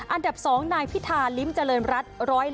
อันดับ๒นายพิธาลิ้มเจริญรัฐ๑๑